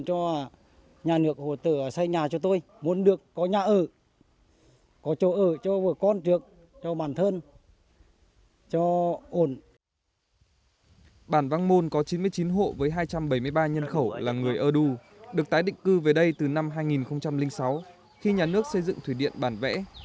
bản văn môn có chín mươi chín hộ với hai trăm bảy mươi ba nhân khẩu là người ơ đu được tái định cư về đây từ năm hai nghìn sáu khi nhà nước xây dựng thủy điện bản vẽ